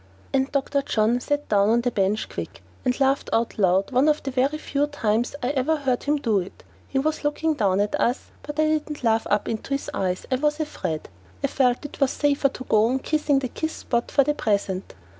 And Dr. John sat down on the bench quick, and laughed out loud one of the very few times I ever heard him do it. He was looking down at us, but I didn't laugh up into his eyes. I was afraid. I felt it was safer to go on kissing the kiss spot for the present.